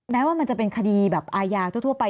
แม้ว่ามันจะเป็นคดีแบบอาญาทั่วไป